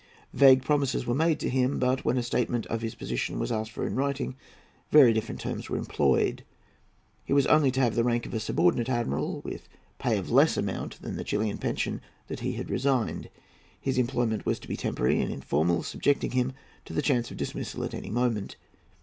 Vague promises were made to him; but, when a statement of his position was asked for in writing, very different terms were employed. He was only to have the rank of a subordinate admiral, with pay of less amount than the Chilian pension that he had resigned. His employment was to be temporary and informal, subjecting him to the chance of dismissal at any moment.